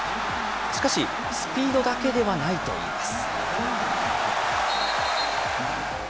しかし、スピードだけではないといいます。